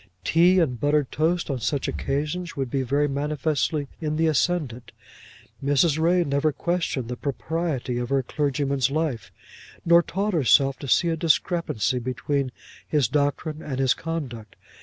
Tea and buttered toast on such occasions would be very manifestly in the ascendant. Mrs. Ray never questioned the propriety of her clergyman's life, nor taught herself to see a discrepancy between his doctrine and his conduct.